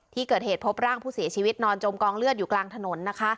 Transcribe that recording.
ที่เกิดเหตุพบร่างผู้เสียชีวิตนอนจมกองเลือดอยู่กลางถนนนะคะ